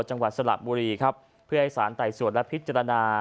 จังหวัดสระบุรีครับเพื่อให้สารไต่สวนและพิจารณา